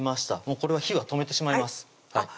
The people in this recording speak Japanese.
これは火は止めてしまいますあっ